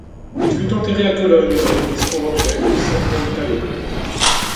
Il fut enterré à Cologne dans l'église conventuelle de Saint-Pantaléon.